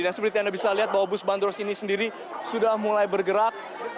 dan seperti anda bisa lihat bahwa bus bandros ini sendiri sudah mulai bergerak